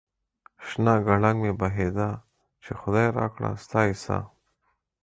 شنه گړنگ مې بهيده ، چې خداى راکړه ستا يې څه ؟